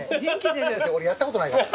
俺やったことないから。